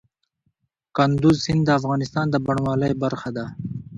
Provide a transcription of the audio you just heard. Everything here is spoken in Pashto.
کندز سیند د افغانستان د بڼوالۍ برخه ده.